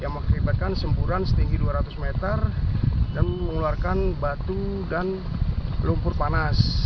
mengeluarkan batu dan lumpur panas